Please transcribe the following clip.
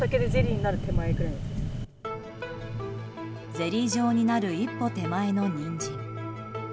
ゼリー状になる一歩手前のニンジン。